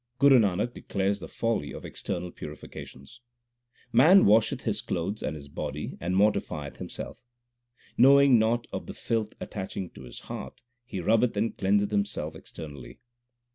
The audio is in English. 4 Guru Nanak declares the folly of external puri fications : Man washeth his clothes and his body, and mortifieth himself. Knowing not of the filth attaching to his heart, he rubbeth and cleanseth himself externally.